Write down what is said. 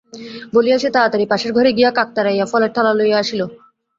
বলিয়া সে তাড়াতাড়ি পাশের ঘরে গিয়া কাক তাড়াইয়া ফলের থালা লইয়া আসিল।